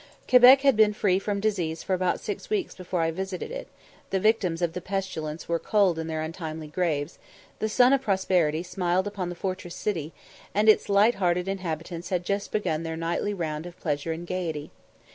Quebec had been free from disease for about six weeks before I visited it; the victims of the pestilence were cold in their untimely graves; the sun of prosperity smiled upon the fortress city, and its light hearted inhabitants had just begun their nightly round of pleasure and gaiety.